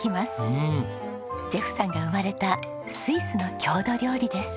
ジェフさんが生まれたスイスの郷土料理です。